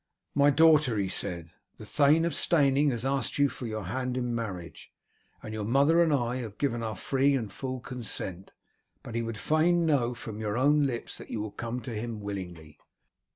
"My daughter," he said, "the Thane of Steyning has asked for your hand in marriage, and your mother and I have given our free and full consent, but he would fain know from your own lips that you will come to him willingly."